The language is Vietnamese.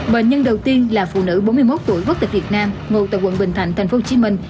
bệnh nhân đầu tiên là phụ nữ bốn mươi một tuổi quốc tịch việt nam ngụ tại quận bình thạnh tp hcm